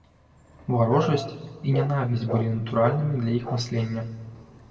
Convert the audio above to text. Варожасць і нянавісць былі натуральнымі для іх мыслення.